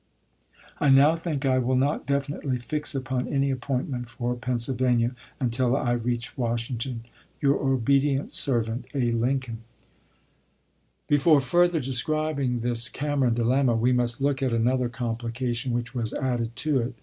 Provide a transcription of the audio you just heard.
I now think I will not definitely fix upon any appoint ms. ment for Pennsylvania until I reach Washington. Your obedient servant, A. Lincoln. LINCOLN'S CABINET 359 Before further describing this Cameron dilemma, ch. xxii. we must look at another complication which was added to it.